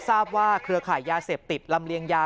ทราบว่าเครือข่ายยาเสพติดลำเลียงยา